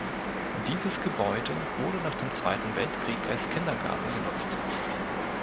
Dieses Gebäude wurde nach dem Zweiten Weltkrieg als Kindergarten genutzt.